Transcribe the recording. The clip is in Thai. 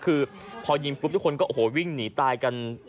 คือพอยิงปุ๊บทุกคนก็โอ้โหวิ่งหนีตายกัน